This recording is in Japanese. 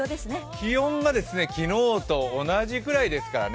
気温が昨日と同じぐらいですからね。